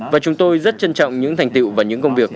và chúng tôi rất trân trọng những thành tiệu và những công việc